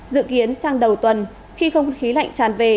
dự kiến sang đầu tuần khi không khí lạnh tràn về